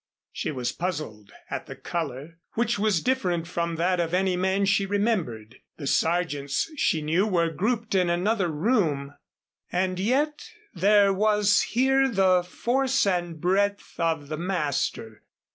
She was puzzled at the color, which was different from that of any man she remembered. The Sargents she knew were grouped in another room and yet there was here the force and breadth of the master.